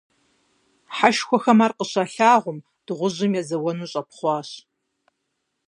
Хьэшхуэхэм ар къыщалъагъум, дыгъужьым езэуэну щӀэпхъуащ.